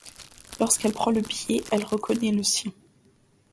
Lorsqu’elle prend le billet, elle reconnaît le sien !